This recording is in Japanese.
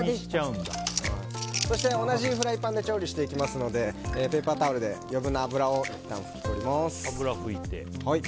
同じフライパンで調理していきますのでペーパータオルで余分な油を拭き取ります。